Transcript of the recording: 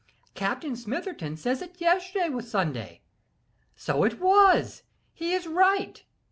Captain Smitherton says that yesterday was Sunday: so it was; he is right.